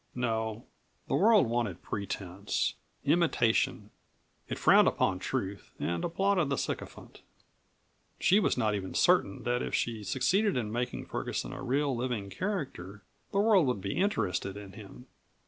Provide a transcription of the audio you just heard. No, the world wanted pretense, imitation. It frowned upon truth and applauded the sycophant. She was not even certain that if she succeeded in making Ferguson a real living character the world would be interested in him.